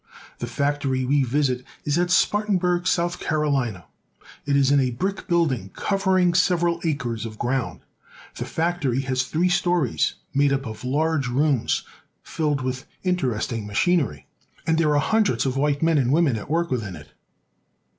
The factory we visit is at Spartanburg, South Carolina. It is in a brick building covering several acres of ground. The factory has three stories, made up of large rooms filled with interesting machinery, and there are hundreds of white men and women at work within it.